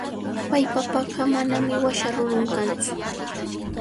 Wallpapaqa manami washa rurun kantsu.